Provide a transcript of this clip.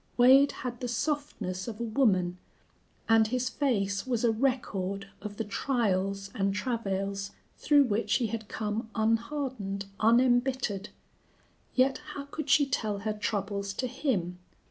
Wade had the softness of a woman, and his face was a record of the trials and travails through which he had come unhardened, unembittered. Yet how could she tell her troubles to him?